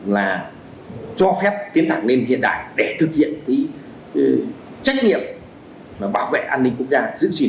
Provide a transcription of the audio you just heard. là cho phép tiến thẳng lên hiện đại để thực hiện trách nhiệm bảo vệ an ninh của đảng